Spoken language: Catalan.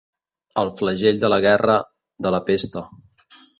El flagell de la guerra, de la pesta.